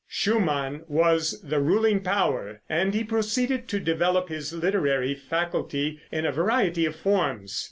Schumann was the ruling power, and he proceeded to develop his literary faculty in a variety of forms.